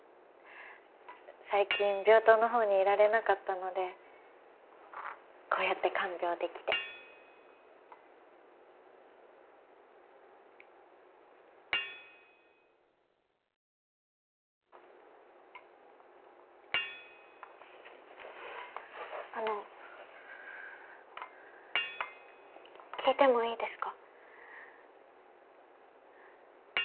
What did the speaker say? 最近病棟のほうにいられなかったのでこうやって看病できてあの聞いてもいいですか？